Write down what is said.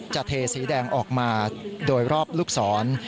เทสีแดงออกมาโดยรอบลูกศร